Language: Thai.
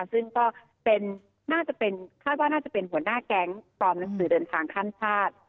ซึ่งก็น่าจะเป็นคาดว่าน่าจะเป็นหัวหน้าแก๊งปลอมหนังสือเดินทางข้ามชาติ